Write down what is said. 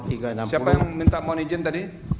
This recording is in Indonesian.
siapa yang minta mohon izin tadi